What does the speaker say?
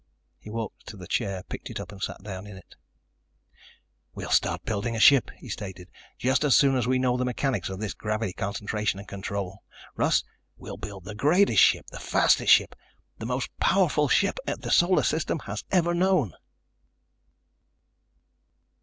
He walked to the chair, picked it up and sat down in it. "We'll start building a ship," he stated, "just as soon as we know the mechanics of this gravity concentration and control. Russ, we'll build the greatest ship, the fastest ship, the most powerful ship the Solar System has ever known!"